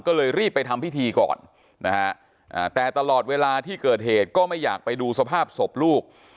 ก็เลยรีบไปทำพิธีก่อนนะฮะแต่ตลอดเวลาที่เกิดเหตุก็ไม่อยากไปดูสภาพศพลูก